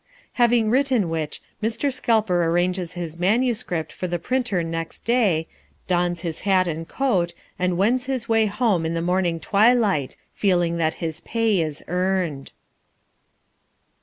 Having written which, Mr. Scalper arranges his manuscript for the printer next day, dons his hat and coat, and wends his way home in the morning twilight, feeling that his pay is earned.